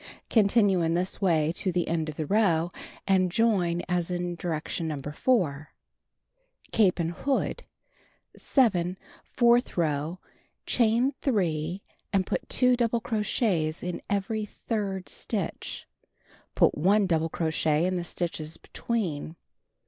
Continue in this way to the end of the row, and join as in direction No. 4. CAPE AND HOOD 7. Fourth row: Chain 3 and put 2 double crochets in every third stitch. Put 1 double crochet in the stitches between.)